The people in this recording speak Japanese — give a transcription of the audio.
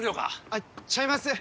あっちゃいます